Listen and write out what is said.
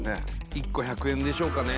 １個１００円でしょうかね